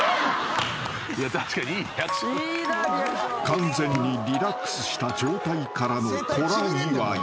［完全にリラックスした状態からのコラ祝い］